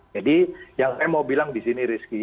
jadi yang saya mau bilang di sini rizky